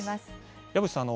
岩渕さん